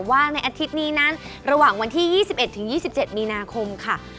ว่าในอาทิตย์นี้นั้นระหว่างวันที่๒๑๒๗มีนาคมค่ะ